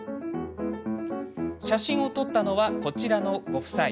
写真を撮ったのはこちらのご夫妻。